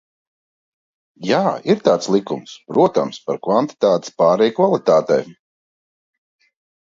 Jā, ir tāds likums, protams, par kvantitātes pāreju kvalitātē.